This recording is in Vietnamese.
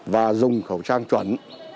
và dùng khẩu trang chuẩn